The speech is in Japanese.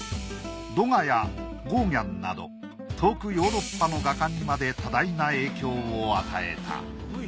ドガやゴーギャンなど遠くヨーロッパの画家にまで多大な影響を与えた。